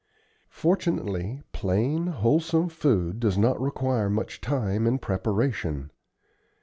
Fortunately, plain, wholesome food does not require much time in preparation.